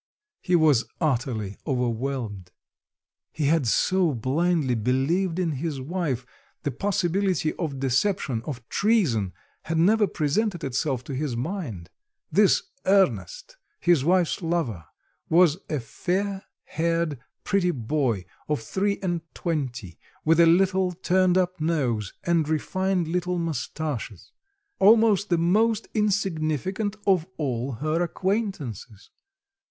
He was utterly overwhelmed. He had so blindly believed in his wife; the possibility of deception, of treason, had never presented itself to his mind. This Ernest, his wife's lover, was a fair haired pretty boy of three and twenty, with a little turned up nose and refined little moustaches, almost the most insignificant of all her acquaintances.